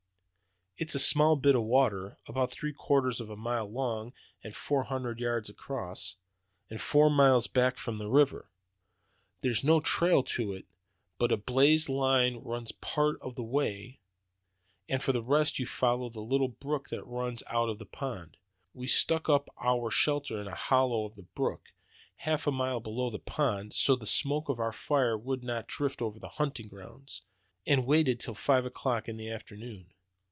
"It's a small bit of water, about three quarters of a mile long and four hundred yards across, and four miles back from the river. There is no trail to it, but a blazed line runs part of the way, and for the rest you follow up the little brook that runs out of the pond. We stuck up our shelter in a hollow on the brook, half a mile below the pond, so that the smoke of our fire would not drift over the hunting ground, and waited till five o'clock in the afternoon.